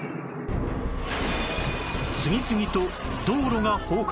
次々と道路が崩壊